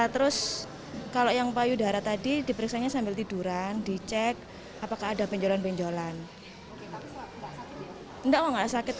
terus kalau yang payudara tadi diperiksanya sambil tiduran dicek apakah ada benjolan benjolan enggak sakit